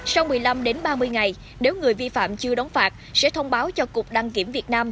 sau một mươi năm đến ba mươi ngày nếu người vi phạm chưa đóng phạt sẽ thông báo cho cục đăng kiểm việt nam